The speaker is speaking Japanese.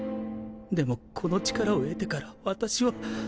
でもこの力を得てから私は。